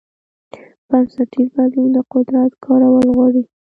بنسټیز بدلون د قدرت کارول غواړي.